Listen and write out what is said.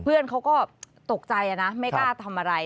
เพื่อนเขาก็ตกใจนะไม่กล้าทำอะไร